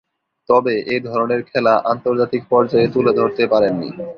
তবে, এ ধরনের খেলা আন্তর্জাতিক পর্যায়ে তুলে ধরতে পারেননি।